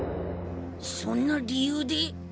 そんな理由で？